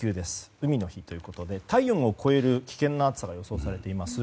海の日ということで体温を超える危険な暑さが予想されています。